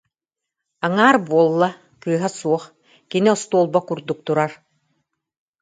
Аҥаар буолла, кыыһа суох, кини остуолба курдук турар